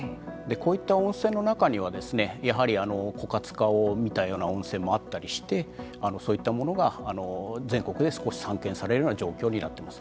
こういった温泉の中にはですねやはり枯渇化を見たような温泉もあったりしてそういったものが全国で少し散見されるような状況になってます。